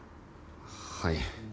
はい。